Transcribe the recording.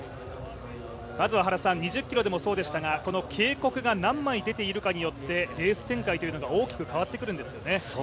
まずは２０ｋｍでもそうでしたがこの警告が何枚、出ているかによってレース展開というのが大きく変わってくるんですよね。